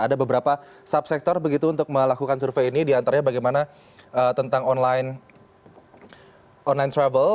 ada beberapa subsektor begitu untuk melakukan survei ini diantaranya bagaimana tentang online travel